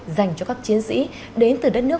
dành cho các chiến sĩ đến từ đất nước